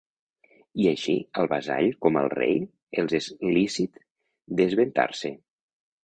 I així al vassall com al rei, els és lícit desventar-se.